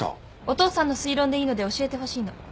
お父さんの推論でいいので教えてほしいの。